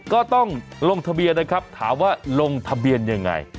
ต้องลงทะเบียนนะครับถามว่าลงทะเบียนยังไง